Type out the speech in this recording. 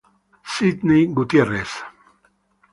Sidney Gutierrez